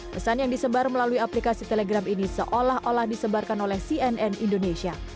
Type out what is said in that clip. pesan yang disebar melalui aplikasi telegram ini seolah olah disebarkan oleh cnn indonesia